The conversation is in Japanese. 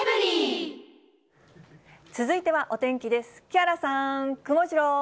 続いてはお天気です。